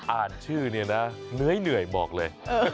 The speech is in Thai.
อ่านชื่อเนี่ยนะเหนื่อยบอกเลย